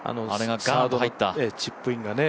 チップインがね。